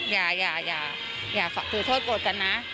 อย่าอย่าอย่าอย่าถูกโทษโบนกันนะ